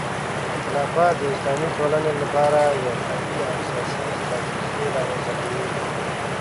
خلافت د اسلامي ټولنې لپاره یو قوي او سیاسي ستراتیژي رامنځته کوي.